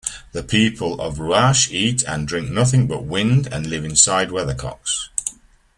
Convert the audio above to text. The people of Ruach eat and drink nothing but wind, and live inside weathercocks.